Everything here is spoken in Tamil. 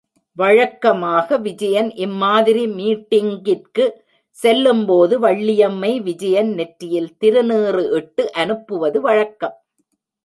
வழக்கமாக விஜயன் இம்மாதிரி மீட்டிங்கிற்கு செல்லும்போது வள்ளியம்மை, விஜயன் நெற்றியில் திருநீறு இட்டு அனுப்புவது வழக்கம்.